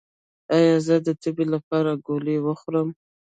ایا زه د تبې لپاره ګولۍ وخورم؟